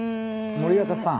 森若さん